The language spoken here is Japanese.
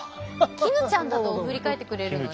「絹ちゃん」だと振り返ってくれるんだね。